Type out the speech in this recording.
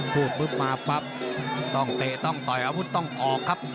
พูดปุ๊บมาปั๊บต้องเตะต้องต่อยอาวุธต้องออกครับ